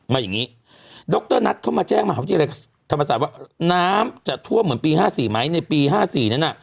อย่างนี้ดรนัทเข้ามาแจ้งมหาวิทยาลัยธรรมศาสตร์ว่าน้ำจะท่วมเหมือนปี๕๔ไหมในปี๕๔นั้นน่ะ